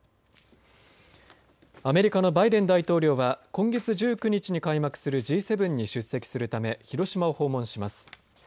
アメリカのバイデン大統領は今月１９日に開幕するＧ７に出席するため広島を訪問します。